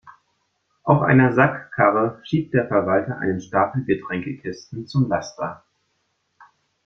Auf einer Sackkarre schiebt der Verwalter einen Stapel Getränkekisten zum Laster.